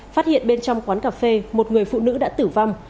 phát hiện bên trong quán cà phê một người phụ nữ đã tử vong